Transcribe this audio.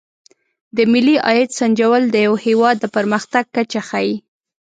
د ملي عاید سنجول د یو هېواد د پرمختګ کچه ښيي.